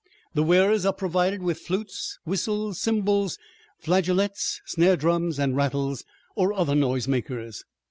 The wearers are provided with flutes, whistles, cymbals, flageolets, snare drums, and rattles, or other noise makers.